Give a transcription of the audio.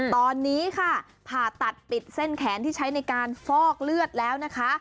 ตอนนี้ค่ะผ่าตัดปิดเส้นแขนที่ใช้ในการฟอกเลือดแล้วนะคะ